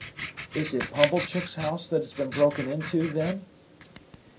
"Is it Pumblechook's house that has been broken into, then?"